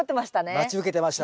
待ち受けてました。